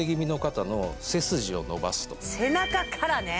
背中からね。